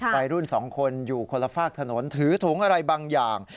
วัยรุ่น๒คนอยู่คนละฝากถนนถือถุงอะไรบางอย่าง